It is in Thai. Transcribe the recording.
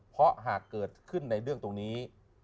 เพราะหากเกิดขึ้นในเรื่องตรงนี้